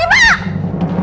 sampai jumpa lagi